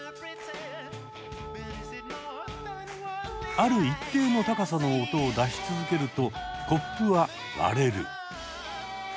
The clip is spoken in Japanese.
ある一定の高さの音を出し続けるとコップは割れる。